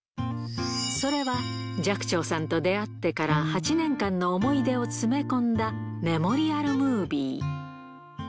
それは、寂聴さんと出会ってから８年間の思い出を詰め込んだメモリアルムービー。